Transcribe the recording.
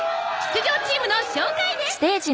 出場チームの紹介です。